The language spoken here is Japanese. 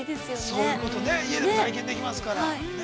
◆そういうことね、家でも体験できますから。